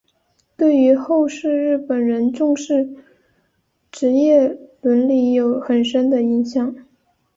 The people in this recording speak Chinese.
对于后世日本人重视职业伦理有很深的影响。